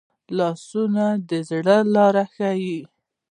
لاسونه د زړه لاره ښيي